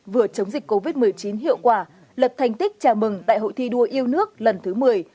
vừa chống dịch covid một mươi chín hiệu quả lập thành tích chào mừng đại hội thi đua yêu nước lần thứ một mươi